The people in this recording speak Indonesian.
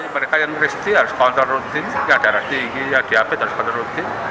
mereka yang meristi harus kontrol rutin yang darah tinggi yang diabetes harus kontrol rutin